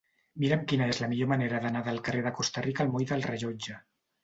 Mira'm quina és la millor manera d'anar del carrer de Costa Rica al moll del Rellotge.